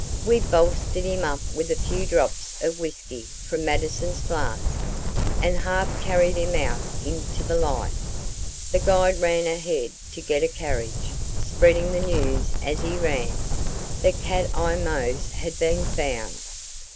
We bolstered him up with a few drops of whisky from Mattison's flask, and half carried him out into the light. The guide ran ahead to get a carriage, spreading the news as he ran, that Cat Eye Mose had been found.